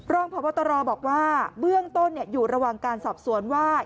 รองพบตรบอกว่าเบื้องต้นอยู่ระหว่างการสอบสวนว่า